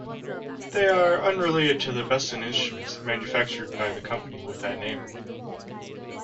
They are unrelated to the Besson instruments manufactured by the company with that name.